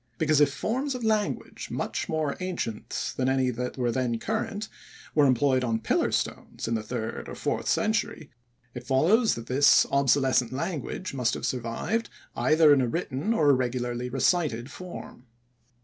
Because if forms of language much more ancient than any that were then current were employed on pillar stones in the third or fourth century, it follows that this obsolescent language must have survived either in a written or a regularly recited form.